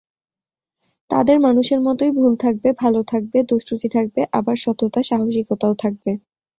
তাদের মানুষের মতোই ভুল থাকবে, ভালো থাকবে, দোষ-ত্রুটি থাকবে আবার সততা-সাহসিকতাও থাকবে।